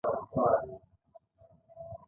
له دې یوځای کېدو څخه ژوندۍ ذرات پیدا شول.